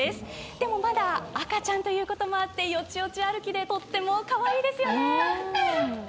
でも、まだ赤ちゃんということもあって、よちよち歩きでとってもかわいいですよね。